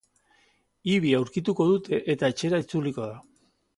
Ibi aurkituko dute eta etxera itzuliko da.